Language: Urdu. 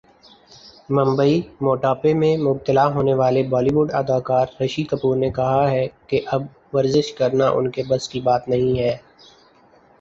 ممبئی موٹاپے میں مبتلا ہونے والے بالی ووڈ اداکار رشی کپور نے کہا ہے کہ اب ورزش کرنا انکے بس کی بات نہیں ہے